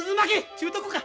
ちゅうとこか。